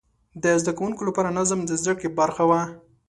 د زده کوونکو لپاره نظم د زده کړې برخه وه.